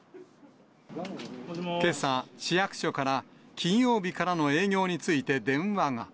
けさ、市役所から金曜日からの営業について電話が。